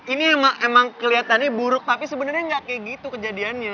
ini emang keliatannya buruk tapi sebenernya gak kayak gitu kejadiannya